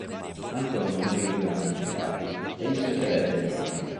Antonio morì due anni più tardi e gli succedette Giovanni.